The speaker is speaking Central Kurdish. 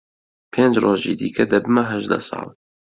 پێنج ڕۆژی دیکە دەبمە هەژدە ساڵ.